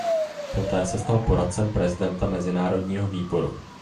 Poté se stal poradcem prezidenta Mezinárodního výboru.